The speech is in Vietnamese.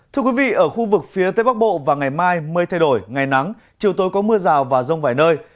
thưa quý vị ở khu vực phía tây bắc bộ và ngày mai mây thay đổi ngày nắng chiều tối có mưa rào và rông vài nơi